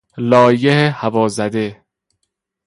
لایه هوازده